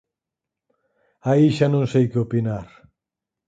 Aí xa non sei que opinar…